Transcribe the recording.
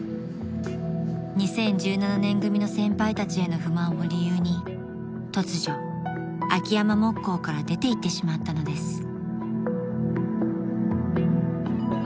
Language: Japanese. ［２０１７年組の先輩たちへの不満を理由に突如秋山木工から出ていってしまったのです］